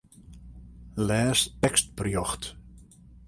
Lês tekstberjocht.